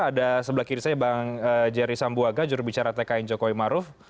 ada sebelah kiri saya bang jerry sambuaga jurubicara tkn jokowi maruf